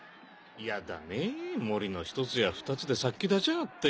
やだねぇ森の１つや２つで殺気立ちやがって。